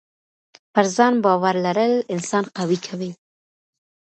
پر ځان باور لرل انسان قوي کوي.